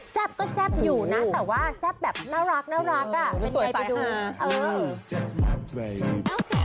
ก็แซ่บอยู่นะแต่ว่าแซ่บแบบน่ารักอ่ะเป็นใครไปดู